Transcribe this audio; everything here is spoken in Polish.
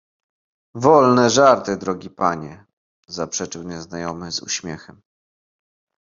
"Wolne żarty, drogi panie!— zaprzeczył nieznajomy z uśmiechem."